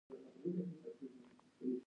د سرچینې حق باید ادا شي.